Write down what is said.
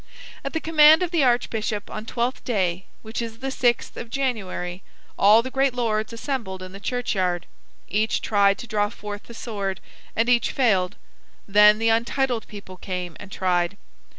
At the command of the archbishop on Twelfth day, which is the sixth of January, all the great lords assembled in the churchyard. Each tried to draw forth the sword, and each failed. Then the untitled people came and tried.